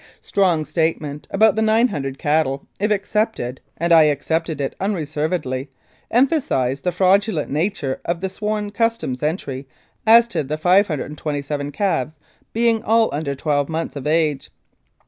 Strong's statement about the 900 cattle, if accepted, and I accepted it unreservedly, emphasised the fraudu lent nature of the sworn Customs entry as to the 527 calves being all under twelve months of age.